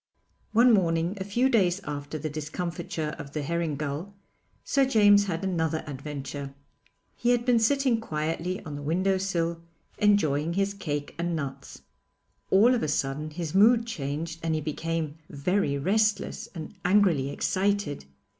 One morning, a few days after the discomfiture of the herring gull, Sir James had another adventure. He had been sitting quietly on the window sill enjoying his cake and nuts. All of a sudden his mood changed and he became very restless and angrily excited.